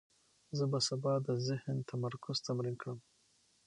زه به سبا د ذهن تمرکز تمرین کړم.